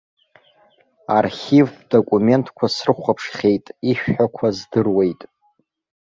Архивтә документқәа срыхәаԥшхьеит, ишәҳәақәаз здыруеит.